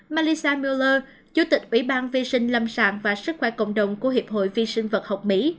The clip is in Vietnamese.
malisa mueller chủ tịch ủy ban vi sinh lâm sàng và sức khỏe cộng đồng của hiệp hội vi sinh vật học mỹ